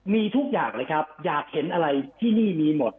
มีทุกอย่างเลยครับอยากเห็นอะไรที่นี่มีหมด